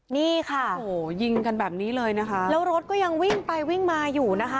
นี่ค่ะโอ้โหยิงกันแบบนี้เลยนะคะแล้วรถก็ยังวิ่งไปวิ่งมาอยู่นะคะ